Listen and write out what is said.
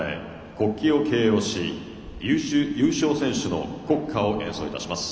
国旗を掲揚し優勝選手の国歌を演奏いたします。